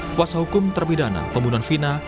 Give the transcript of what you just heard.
kuasa hukum terpidana pembunuhan vina